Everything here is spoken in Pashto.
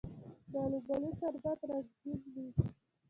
د الوبالو شربت رنګین وي.